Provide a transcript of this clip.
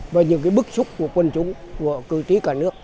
và những bức xúc của quân chúng của cử tri cả nước